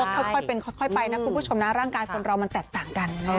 ค่อยเป็นค่อยไปนะคุณผู้ชมนะร่างกายคนเรามันแตกต่างกัน